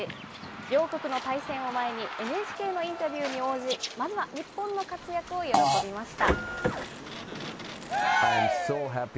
両国の対戦を前に、ＮＨＫのインタビューに応じ、まずは日本の活躍を喜びました。